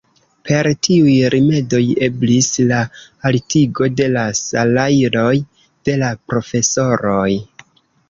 Per tiuj rimedoj eblis la altigo de la salajroj de la profesoroj.